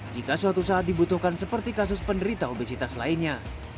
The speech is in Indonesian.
jika suatu saat dibutuhkan seperti kasus penderita obesitas lainnya